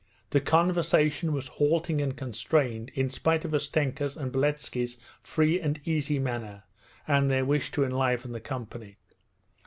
The conversation was halting and constrained, in spite of Ustenka's and Beletski's free and easy manner and their wish to enliven the company.